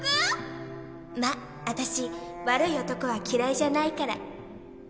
「まっあたし悪い男は嫌いじゃないから」